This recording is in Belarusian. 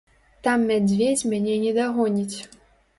Там мядзведзь мяне не дагоніць.